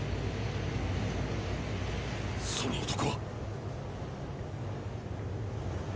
その男は。